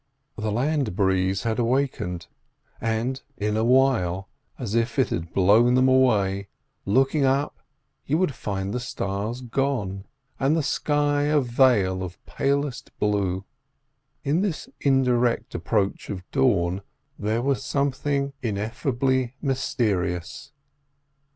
The land breeze had awakened, and in a while, as if it had blown them away, looking up, you would find the stars gone, and the sky a veil of palest blue. In this indirect approach of dawn there was something ineffably mysterious.